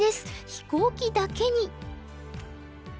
飛行機だけに。